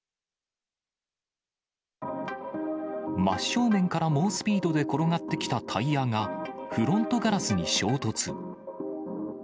真正面から猛スピードで転がってきたタイヤが、フロントガラスに衝突。